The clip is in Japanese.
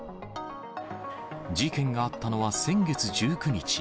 事件があったのは先月１９日。